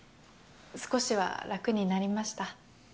少しは楽になりました？